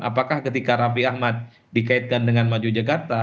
apakah ketika raffi ahmad dikaitkan dengan maju jakarta